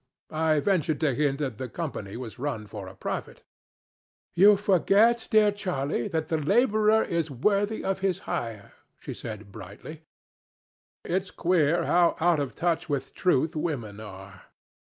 I ventured to hint that the Company was run for profit. "'You forget, dear Charlie, that the laborer is worthy of his hire,' she said, brightly. It's queer how out of touch with truth women are.